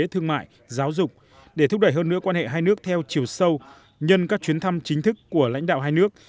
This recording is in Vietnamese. thương mại giáo dục để thúc đẩy hơn nữa quan hệ hai nước theo chiều sâu nhân các chuyến thăm chính thức của lãnh đạo hai nước